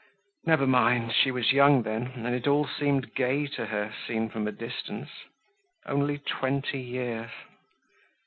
Never mind, she was young then, and it all seemed gay to her, seen from a distance. Only twenty years.